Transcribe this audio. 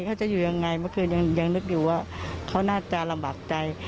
เขาจะอยู่ยังไงเมื่อคืนยังนึกอยู่ว่าเขาน่าจะลำบากใจ